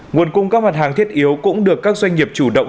nguồn cung các mặt hàng thiết yếu cũng được các doanh nghiệp chủ động